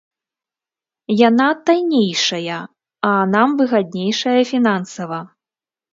Яна таннейшая, а нам выгаднейшая фінансава.